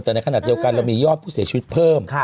แต่ในขณะเดียวกันเรามียอดผู้เสียชีวิตเพิ่ม